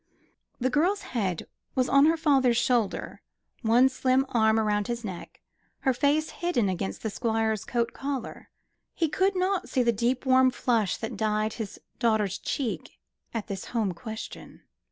The girl's head was on her father's shoulder, one slim arm round his neck, her face hidden against the Squire's coat collar. He could not see the deep warm blush that dyed his daughter's cheek at this home question.